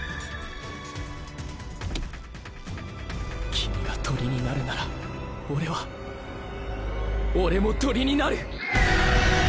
君が鳥になるなら俺は俺も鳥になる。